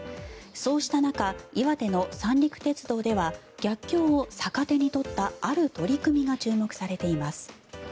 そうした中、岩手の三陸鉄道では逆境を逆手に取ったある取り組みが注目されています。